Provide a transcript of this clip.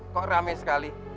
kok rame sekali